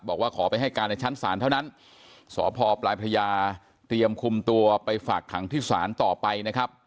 บอกว่าขอไปให้การในชั้นศาลเท่านั้นสพปลายพระยาเตรียมคุมตัวไปฝากขังที่ศาลต่อไปนะครับ